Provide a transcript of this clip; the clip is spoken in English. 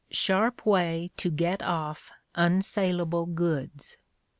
Sharp way to get off unsalable goods.